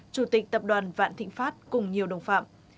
chủ tịch tập đoàn vạn thịnh pháp cùng nhiều đồng phạm